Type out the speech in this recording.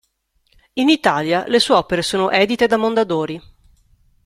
In Italia le sue opere sono edite da Mondadori.